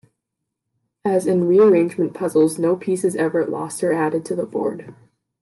As in rearrangement puzzles, no piece is ever lost or added to the board.